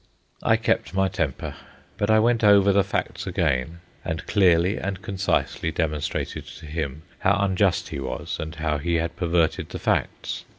I kept my temper, but I went over the facts again, and clearly and concisely demonstrated to him how unjust he was and how he had perverted the facts.